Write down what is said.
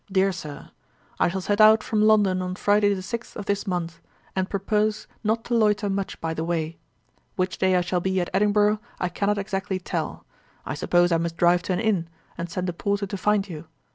'DEAR SIR, 'I shall set out from London on Friday the sixth of this month, and purpose not to loiter much by the way. Which day I shall be at Edinburgh, I cannot exactly tell. I suppose I must drive to an inn, and send a porter to find you.